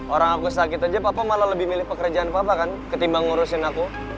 orang aku sakit aja papa malah lebih milih pekerjaan papa kan ketimbang ngurusin aku